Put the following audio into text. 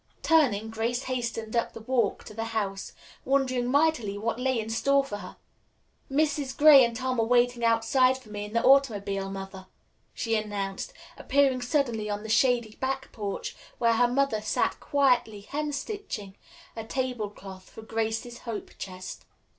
Turning, Grace hastened up the walk to the house, wondering mightily what lay in store for her. "Mrs. Gray and Tom are waiting outside for me in the automobile, Mother," she announced, appearing suddenly on the shady back porch, where her mother sat quietly hemstitching a table cloth for Grace's Hope Chest.